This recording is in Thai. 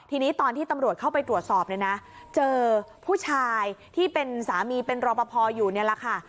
ทีนี้ตอนที่ตำรวจเข้าไปตรวจสอบเนี่ยนะเจอผู้ชายที่เป็นสามีเป็นรอปภอยู่นี่แหละค่ะ